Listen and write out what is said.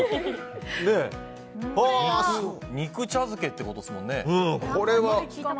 肉茶漬けってことですもんね。